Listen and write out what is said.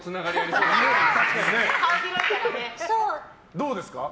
どうですか？